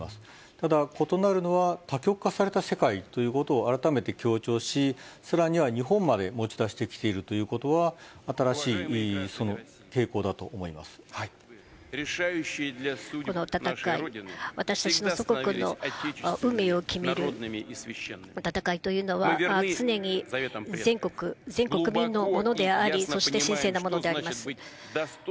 ただ、異なるのは多極化された世界ということを改めて強調し、さらには日本まで持ち出してきているということは、新しい傾向だと思いまこの戦い、私たちの祖国の運命を決める戦いというのは、常に全国民のものであり、そして神聖なものであります。